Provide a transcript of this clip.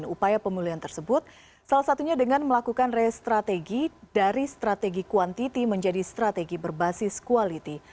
upaya pemulihan tersebut salah satunya dengan melakukan restrategi dari strategi kuantiti menjadi strategi berbasis quality